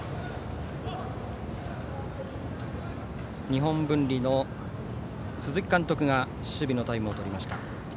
日本文理の鈴木監督が守備のタイムを取りました。